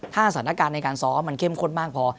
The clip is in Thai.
ถ้าสถานการณ์ในการซ้อมมันเข้มข้นมากพอ